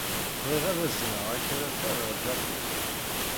Bɣiɣ ad azneɣ akaraf-a ɣer Japun.